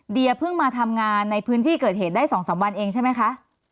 เพิ่งมาทำงานในพื้นที่เกิดเหตุได้๒๓วันเองใช่ไหมคะ